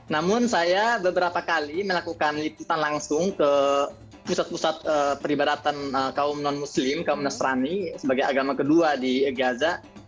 namun saya beberapa kali melakukan liputan langsung ke pusat pusat peribadatan kaum non muslim kaum nasrani sebagai agama kedua di gaza